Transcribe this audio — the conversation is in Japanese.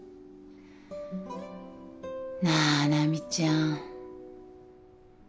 なあナミちゃん。